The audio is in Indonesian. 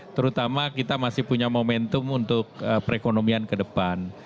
terutama kita masih punya momentum untuk perekonomian kedepan